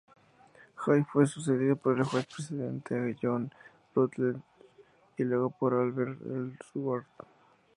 Jay fue sucedido por el Juez Presidente John Rutledge, y luego por Oliver Ellsworth.